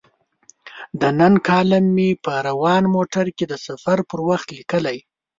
د نن کالم مې په روان موټر کې د سفر پر وخت لیکلی.